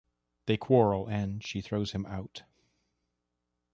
They quarrel and she throws him out.